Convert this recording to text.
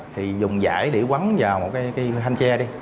thì dùng giải để quấn vào một cái thanh tre đi